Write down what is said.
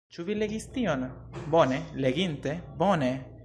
Ĉu vi legis tion? Bone? Leginte? Bone.